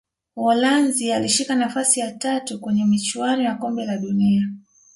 uholanzi alishika nafasi ya tatu kwenye michuano ya kombe la dunia